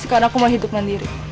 sekarang aku mau hidup mandiri